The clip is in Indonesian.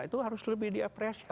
itu harus lebih diapresiasi